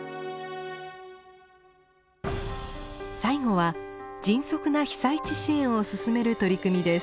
最後は迅速な被災地支援を進める取り組みです。